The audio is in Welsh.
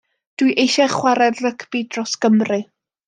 Dwi eisiau chwarae rygbi dros Gymru.